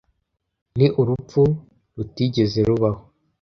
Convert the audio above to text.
ni urupfu rutigeze rubaho